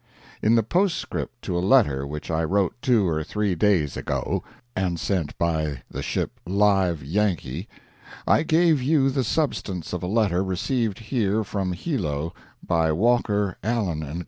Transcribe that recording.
In the postscript to a letter which I wrote two or three days ago, and sent by the ship Live Yankee, I gave you the substance of a letter received here from Hilo by Walker, Allen & Co.